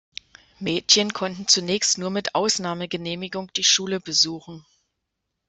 Mädchen konnten zunächst nur mit Ausnahmegenehmigung die Schule besuchen.